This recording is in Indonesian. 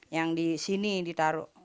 yang di sini ditaruh